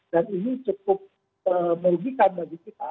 dan ini cukup merugikan bagi kita